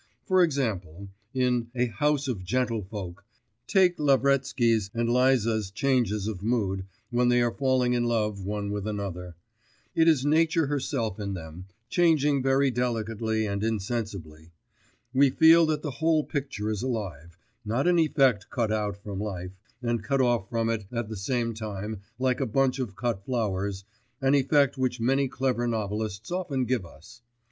For example, in A House of Gentlefolk, take Lavretsky's and Liza's changes of mood when they are falling in love one with another: it is nature herself in them changing very delicately and insensibly; we feel that the whole picture is alive, not an effect cut out from life, and cut off from it at the same time, like a bunch of cut flowers, an effect which many clever novelists often give us.